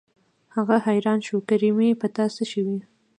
هغه حيران شو کریمې په تا څه شوي.